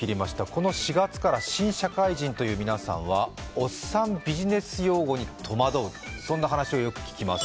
この４月から新社会人という皆さんはおっさんビジネス用語に戸惑う、そんな話をよく聞きます。